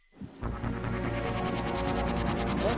えっ？